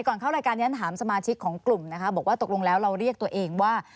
ก่อนเข้ารายการที่ฉันถามสมาชิกของกลุ่มนะคะบอกว่าตกลงแล้วเราเรียกตัวเองว่า